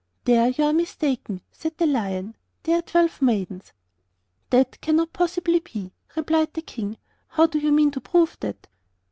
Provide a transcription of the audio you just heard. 'There you are mistaken,' said the Lion; 'they are twelve maidens.' 'That cannot possibly be,' replied the King; 'how do you mean to prove that?